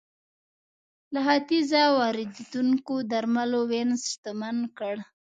له ختیځه واردېدونکو درملو وینز شتمن کړ